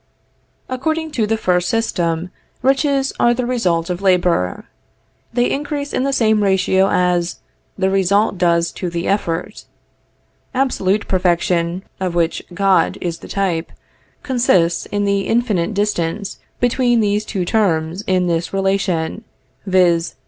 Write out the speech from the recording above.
According to the first system, riches are the result of labor. They increase in the same ratio as the result does to the effort. Absolute perfection, of which God is the type, consists in the infinite distance between these two terms in this relation, viz.